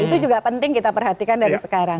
itu juga penting kita perhatikan dari sekarang